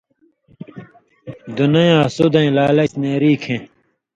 دنئ یاں سُودَیں لالچ نېریۡ کھیں